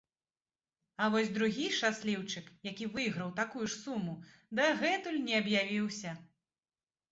А вось другі шчасліўчык, які выйграў такую ж суму, дагэтуль не аб'явіўся.